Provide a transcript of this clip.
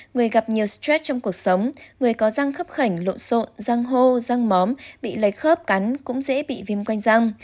người gặp nhiều stress trong cuộc sống người có răng khắp khảnh lộn xộn răng hô răng móm bị lệch khớp cắn cũng dễ bị viêm quanh răng